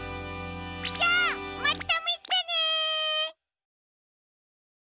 じゃあまたみてね！